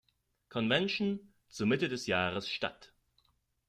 Convention" zur Mitte des Jahres statt.